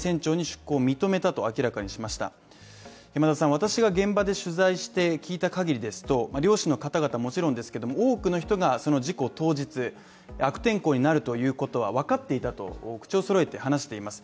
私が現場で取材して聞いた限りですと漁師の方々はもちろんですけれども多くの方が事故当日、悪天候になるということは分かっていたと口をそろえて話しています。